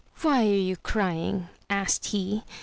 "Why are you crying?" asked he.